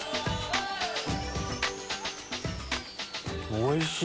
おいしい！